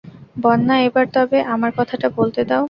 বন্যা, এবার তবে আমার কথাটা বলতে দাও।